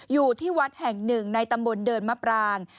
อยู่ที่วัดแห่งหนึ่งในตำบลเดินมะปราง